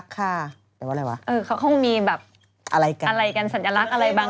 แปลว่าอะไรวะอะไรกันสัญลักษณ์อะไรบางอย่างอะไรอย่างนี้แหละคิดว่า